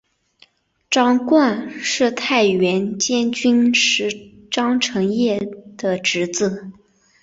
张瓘是太原监军使张承业的侄子。